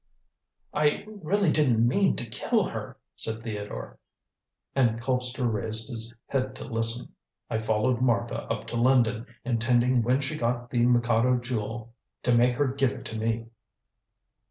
"I really didn't mean to kill her," said Theodore, and Colpster raised his head to listen. "I followed Martha up to London, intending when she got the Mikado Jewel to make her give it to me."